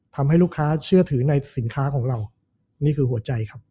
ทำให้ลูกค้าเชื่อถือในสินค้าของเรานี่คือหัวใจครับ